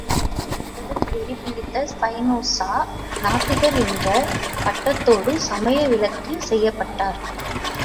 கடவுள் வெறி பிடித்த ஸ்பைனோஸா, நாத்திகர் என்ற பட்டத்தோடு சமய விலக்கு செய்யப்பட்டார்.